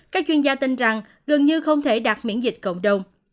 các chuyên gia tin rằng gần như không thể đạt miễn dịch cộng đồng